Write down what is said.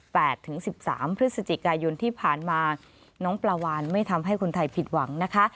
ถึงสิบสามพฤศจิกายนที่ผ่านมาน้องปลาวานไม่ทำให้คนไทยผิดหวังนะคะ